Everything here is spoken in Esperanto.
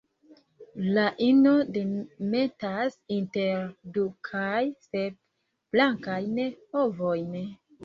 La ino demetas inter du kaj sep blankajn ovojn.